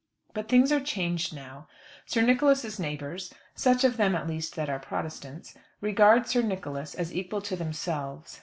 But things are changed now. Sir Nicholas's neighbours, such of them at least that are Protestants, regard Sir Nicholas as equal to themselves.